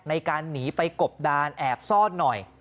ในการหนีไปกบดานแอบซ่อนหน่อย